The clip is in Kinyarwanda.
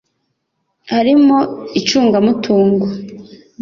harimo icungamutungo